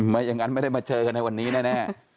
ไม่อย่างนั้นไม่ได้มาเจอกันในวันนี้แน่